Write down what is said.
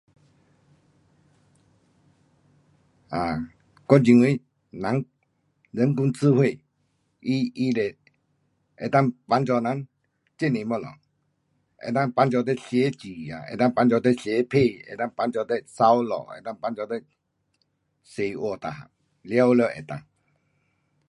um 我认为人，人工智慧，它能够帮助人很多东西。能够帮助你写字啊，能够帮助你写信，能够帮助你扫地，帮助你洗碗每样，全部能够。